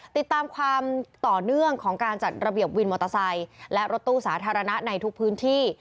ติดตามความต่อเนื่องของการจัดระเบียบวินมอเตอร์ไซค์และรถตู้สาธารณะในทุกพื้นที่